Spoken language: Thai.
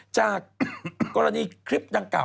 จากกรณีคลิปดังกล่า